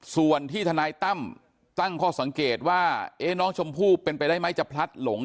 ส่วนที่ทนายตั้มตั้งข้อสังเกตว่าน้องชมพู่เป็นไปได้ไหมจะพลัดหลง